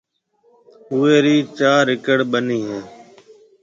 اوئيَ رِي چار اِڪڙ ٻنِي ھيََََ